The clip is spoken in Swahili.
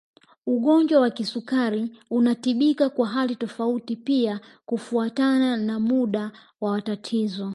Ugonjwa wa kisukari unatibika kwa hali tofauti pia kufuatana na muda wa tatizo